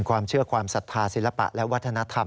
ความเชื่อความศรัทธาศิลปะและวัฒนธรรม